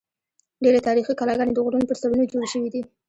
ډېری تاریخي کلاګانې د غرونو پر سرونو جوړې شوې دي.